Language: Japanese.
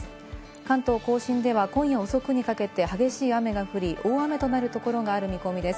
関東甲信では今夜遅くにかけて激しい雨が降り、大雨となるところがある見込みです。